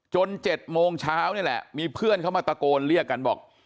๗โมงเช้านี่แหละมีเพื่อนเขามาตะโกนเรียกกันบอก